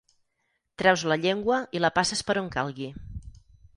Treus la llengua i la passes per on calgui.